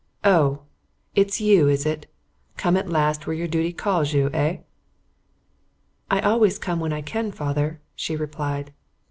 "Oh, it's you, is it? Come at last where your duty calls you, eh?" "I always come when I can, father," she replied.